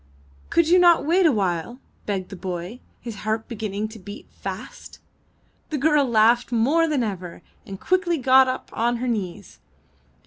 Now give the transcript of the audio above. ''Could you not wait a while?'' begged the boy, his heart beginning to beat fast. The girl laughed more than ever, and quickly got up on her knees.